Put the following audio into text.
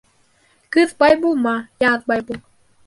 Көҙ бай булма, яҙ бай бул.